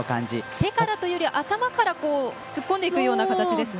手からというより頭から突っ込んでいく感じですね。